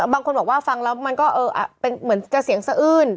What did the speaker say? บางคนบอกว่าฟังแล้วมันก็เป็นเหมือนจะเสียงสะอื้น